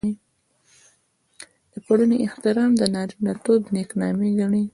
د پړوني احترام د نارينه توب نېکنامي ګڼي.